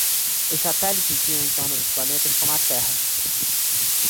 Os satélites giram em torno dos planetas como a Terra.